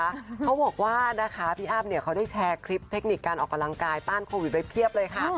เขาบอกว่านะคะพี่อ้ำเนี่ยเขาได้แชร์คลิปเทคนิคการออกกำลังกายต้านโควิดไว้เพียบเลยค่ะ